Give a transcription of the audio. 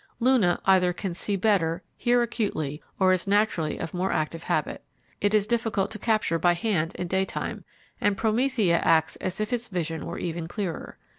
Luna either can see better, hear acutely, or is naturally of more active habit. It is difficult to capture by hand in daytime; and Promethea acts as if its vision were even clearer.